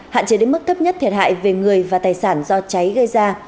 hạn chế đến mức thấp nhất thiệt hại về người và tài sản do cháy gây ra